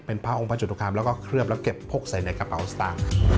เป็นภาพอองภัสจตุครามแล้วก็เคลือบแล้วเก็บพกใส่ในกระเป๋าตังค์